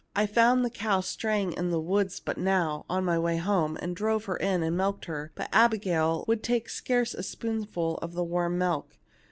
I found the cow straying in the woods but now, on my way home, and drove her in and milked her ; but Abigail would take scarce a spoonful of the warm milk.